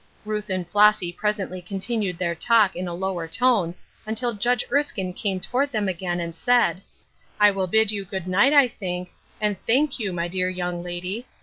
Ruth and Flossy pres ently continued their talk in a lower tone, untii Judge Erskine came toward them again and said, "I will bid you good night, I think, and thank you, my dear young lady.